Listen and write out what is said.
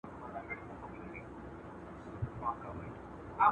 هغه کسان چي سياسي پوهه نلري ژر تېروځي.